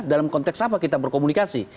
dalam konteks apa kita berkomunikasi